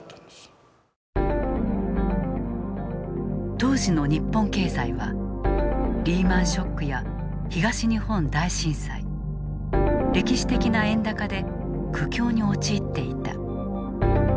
当時の日本経済はリーマンショックや東日本大震災、歴史的な円高で苦境に陥っていた。